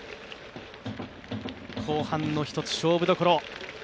後半の勝負どころ。